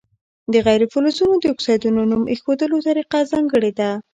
د غیر فلزونو د اکسایدونو نوم ایښودلو طریقه ځانګړې ده.